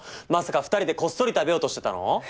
まさか２人でこっそり食べようとしてたの？